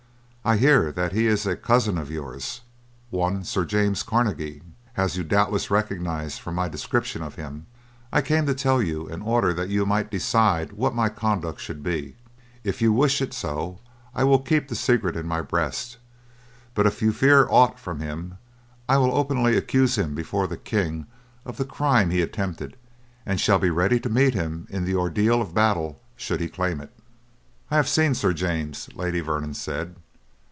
I hear that he is a cousin of yours, one Sir James Carnegie, as you doubtless recognized from my description of him. I came to tell you in order that you might decide what my conduct should be. If you wish it so I will keep the secret in my breast; but if you fear aught from him I will openly accuse him before the king of the crime he attempted, and shall be ready to meet him in the ordeal of battle should he claim it." "I have seen Sir James," Lady Vernon said.